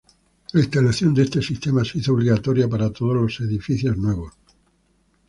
La instalación de este sistema se hizo obligatoria para todos los edificios nuevos.